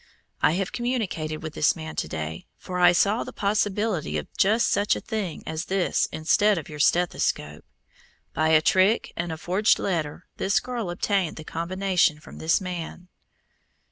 I have communicated with this man to day, for I saw the possibility of just such a thing as this instead of your stethoscope. By a trick and a forged letter this girl obtained the combination from this man."